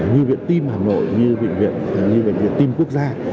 như viện tim hà nội như bệnh viện tim quốc gia